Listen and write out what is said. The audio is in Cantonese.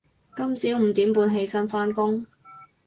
今朝五點半起身返工